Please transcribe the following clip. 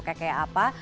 untuk kayak apa